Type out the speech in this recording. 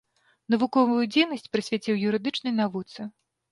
Навуковую дзейнасць прысвяціў юрыдычнай навуцы.